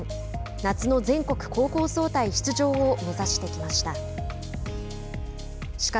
夏の全国高校総体出場を目指してきました。